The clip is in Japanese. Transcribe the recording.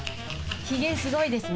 ヒゲすごいですね。